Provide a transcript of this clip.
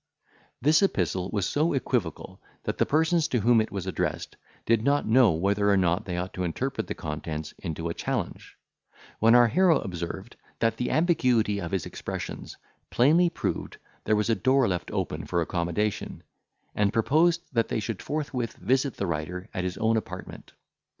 This epistle was so equivocal, that the persons to whom it was addressed did not know whether or not they ought to interpret the contents into a challenge; when our hero observed, that the ambiguity of his expressions plainly proved there was a door left open for accommodation; and proposed that they should forthwith visit the writer at his own apartment.